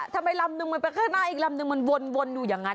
ทำไมลำนึงมันไปข้างหน้าอีกลำนึงมันวนอยู่อย่างนั้น